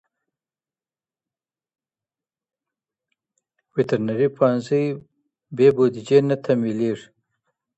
وترنري پوهنځۍ بې بودیجې نه تمویلیږي.